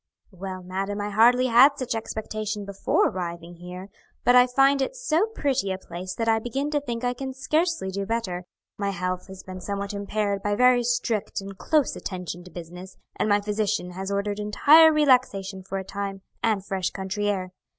"Well, madam, I hardly had such expectation before arriving here, but I find it so pretty a place that I begin to think I can scarcely do better. My health has been somewhat impaired by very strict and close attention to business; and my physician has ordered entire relaxation for a time, and fresh country air.